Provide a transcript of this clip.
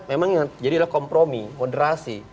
memang jadilah kompromi moderasi